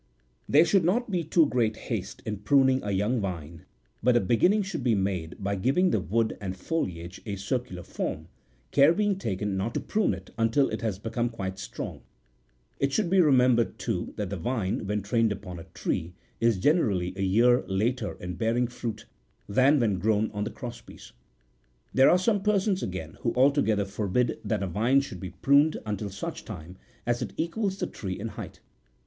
There should not be too great haste61 in pruning a young vine, but a beginning should be made by giving the wood and foliage a circular form, care being taken not to prune it until it has become quite strong ; it should be remembered, too, that the vine, when trained upon a tree, is generally a year later in bearing fruit than when grown on the cross piece. There are some persons, again, who altogether forbid that^ a vine should be pruned until such time as it equals the tree in height.